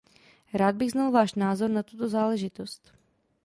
Rád bych znal váš názor na tuto záležitost.